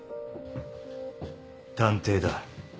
探偵だ。